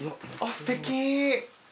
すてき。